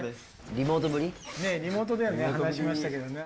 リモートではね話しましたけどね